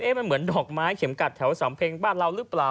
มันเหมือนดอกไม้เข็มกัดแถวสำเพ็งบ้านเราหรือเปล่า